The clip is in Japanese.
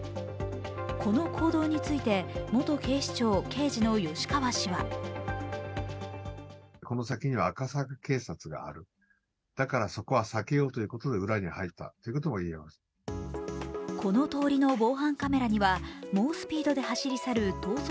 この行動について元警視庁・刑事の吉川氏はこの通りの防犯カメラには猛スピードで走り去る逃走